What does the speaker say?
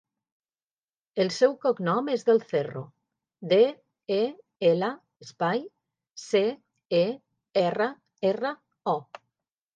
El seu cognom és Del Cerro: de, e, ela, espai, ce, e, erra, erra, o.